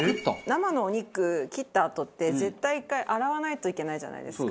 生のお肉切ったあとって絶対１回洗わないといけないじゃないですか。